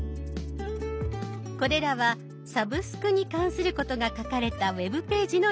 これらは「サブスク」に関することが書かれたウェブページの一覧。